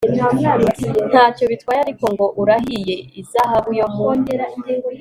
nta cyo bitwaye ariko ngo urahiye izahabu yo mu